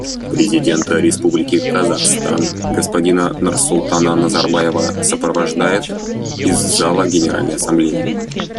Президента Республики Казахстан господина Нурсултана Назарбаева сопровождают из зала Генеральной Ассамблеи.